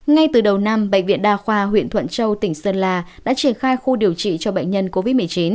ngay từ đầu năm bệnh viện đa khoa huyện thuận châu tỉnh sơn la đã triển khai khu điều trị cho bệnh nhân covid một mươi chín